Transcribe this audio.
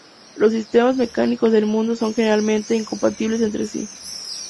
Los sistemas mecánicos del mundo son generalmente incompatibles entre sí.